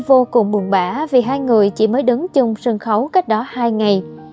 vô cùng buồn bã vì hai người chỉ mới đứng chung sân khấu cách đó hai ngày